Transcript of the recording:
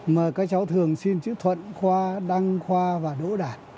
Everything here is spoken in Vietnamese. mà các cháu thường xin chữ thuận khoa đăng khoa và đỗ đạt